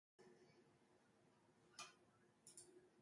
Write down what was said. Vegetative cover or shield over building envelopes also helps in the same.